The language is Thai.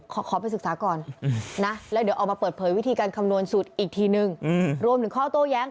เค้าขอไปศึกษาก่อนนะและเดี๋ยวเอามาเปิดเผยวิธีการคำนวนสูตรอีกทีนึง